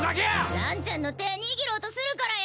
ランちゃんの手ぇ握ろうとするからや。